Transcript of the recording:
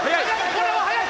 これは速い！